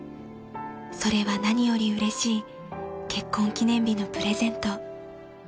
［それは何よりうれしい結婚記念日のプレゼント］